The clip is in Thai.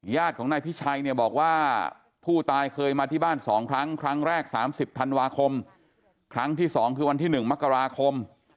ญาติของนายพิชัยเนี่ยบอกว่าผู้ตายเคยมาที่บ้าน๒ครั้งครั้งแรก๓๐ธันวาคมครั้งที่๒คือวันที่๑มกราคม